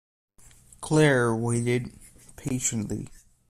Claire waited patiently.